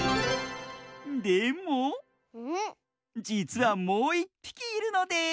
でもじつはもういっぴきいるのです！